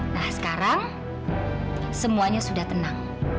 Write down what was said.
nah sekarang semuanya sudah tenang